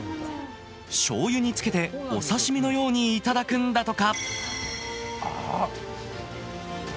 しょうゆにつけてお刺身のようにいただくんだとか。